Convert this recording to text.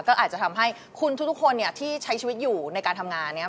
ก็อาจจะทำให้คุณทุกคนที่ใช้ชีวิตอยู่ในการทำงาน